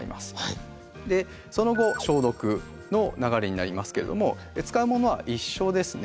でその後消毒の流れになりますけれども使うものは一緒ですね。